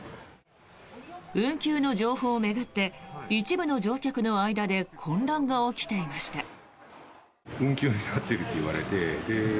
運休の情報を巡って一部の乗客の間で混乱が起きていました。